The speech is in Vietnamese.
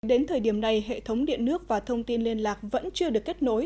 đến thời điểm này hệ thống điện nước và thông tin liên lạc vẫn chưa được kết nối